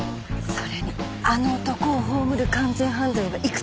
それにあの男を葬る完全犯罪はいくつか考えてる。